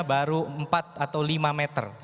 baru empat atau lima meter